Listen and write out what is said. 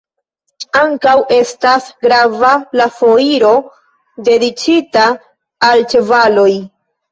Ankaŭ estas grava la Foiro dediĉita al ĉevaloj.